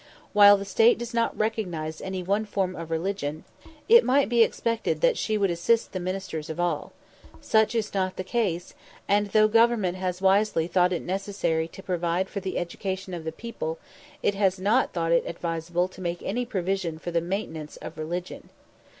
While the State does not recognise any one form of religion, it might be expected that she would assist the ministers of all. Such is not the case; and, though Government has wisely thought it necessary to provide for the education of the people, it has not thought it advisable to make any provision for the maintenance of religion.